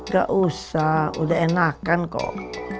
gak usah udah enakan kok